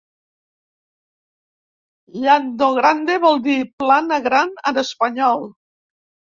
Llando Grande vol dir "plana gran" en espanyol.